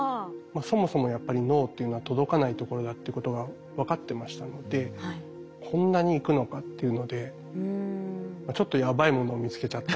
そもそもやっぱり脳っていうのは届かないところだっていうことが分かってましたのでこんなに行くのかっていうのでちょっとやばいものを見つけちゃったかなという気もしました。